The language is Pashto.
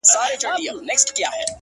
ه په سندرو کي دي مينه را ښودلې؛